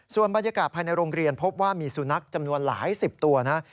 ส่วนบรรยากาศภายในโรงเรียนพบว่ามีสุนัขจำนวนหลายสิบตัวนะ